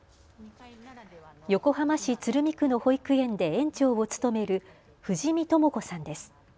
横浜市鶴見区の保育園で園長を務める藤實智子さんです。